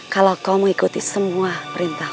kalau kau mau ikuti semua perintahku